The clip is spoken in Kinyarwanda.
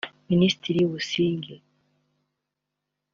Minisitiri Busingye